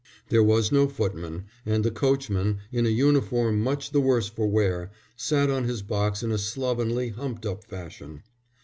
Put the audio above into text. There was no footman, and the coachman, in a uniform much the worse for wear, sat on his box in a slovenly, humped up fashion.